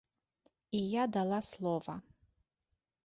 І я дала слова.